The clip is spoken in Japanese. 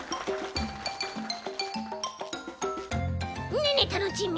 ねえねえタノチーミー。